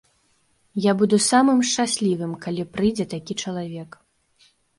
Я буду самым шчаслівым, калі прыйдзе такі чалавек.